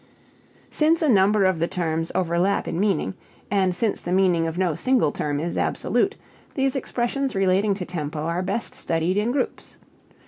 Since a number of the terms overlap in meaning, and since the meaning of no single term is absolute, these expressions relating to tempo are best studied in groups.